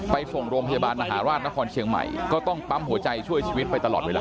ไปส่งโรงพยาบาลมหาราชนครเชียงใหม่ก็ต้องปั๊มหัวใจช่วยชีวิตไปตลอดเวลา